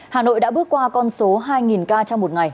hà nội đã bước qua con số hai ca trong một ngày